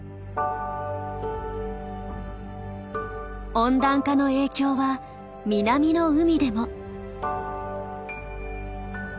温暖化の影響は南の海でも。